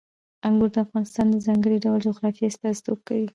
انګور د افغانستان د ځانګړي ډول جغرافیه استازیتوب کوي.